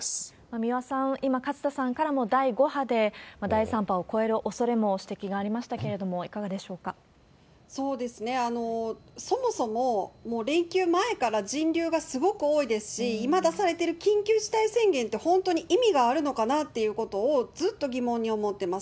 三輪さん、今、勝田さんからも、第５波で第３波を超えるおそれも指摘がありましたけれども、いかそもそも、もう連休前から人流がすごく多いですし、今出されている緊急事態宣言って、本当に意味があるのかなっていうことを、ずっと疑問に思ってます。